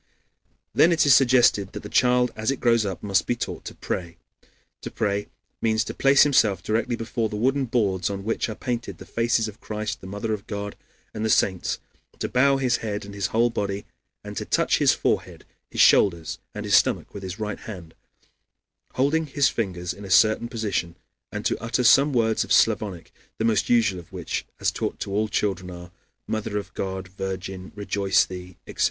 Then it is suggested that the child as it grows up must be taught to pray. To pray means to place himself directly before the wooden boards on which are painted the faces of Christ, the Mother of God, and the saints, to bow his head and his whole body, and to touch his forehead, his shoulders and his stomach with his right hand, holding his fingers in a certain position, and to utter some words of Slavonic, the most usual of which as taught to all children are: Mother of God, virgin, rejoice thee, etc.